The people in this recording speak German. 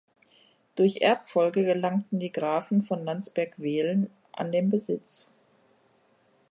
Durch Erbfolge gelangten die Grafen von Landsberg-Velen an den Besitz.